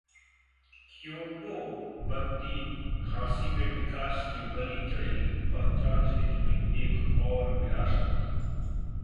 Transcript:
Kyoto बनती काशी में विकास की बलि चढ़ी पहचान से जुड़ी एक और विरासत